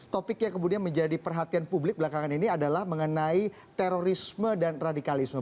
topik yang kemudian menjadi perhatian publik belakangan ini adalah mengenai terorisme dan radikalisme